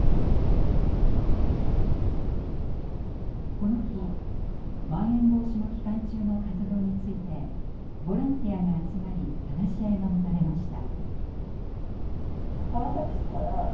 この日まん延防止の期間中の活動についてボランティアが集まり話し合いが持たれました。